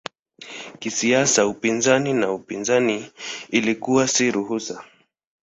Kisiasa upinzani na upinzani ilikuwa si ruhusa.